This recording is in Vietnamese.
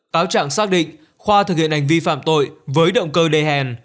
cáo trạng xác định khoa thực hiện hành vi phạm tội với động cơ đề hèn